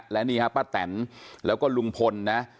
และนี่ฮะป้าแตนแล้วก็ลุงพลนะ